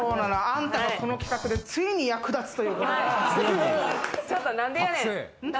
あんたが、この企画でついに役立つと。